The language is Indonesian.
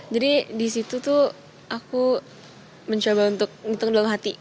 jadi di situ tuh aku mencoba untuk menghitung dalam hati